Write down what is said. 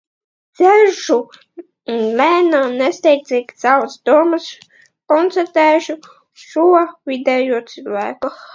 Dzeršu un lēnām, nesteidzīgi savās domās konstruēšu šo vidējo cilvēku.